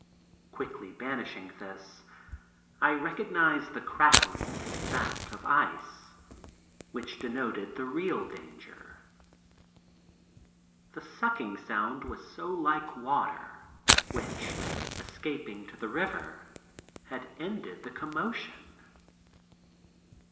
Quickly banishing this I recognized the crackling as that of ice, which denoted the real danger. The sucking sound was so like water, which, escaping to the river, had ended the commotion.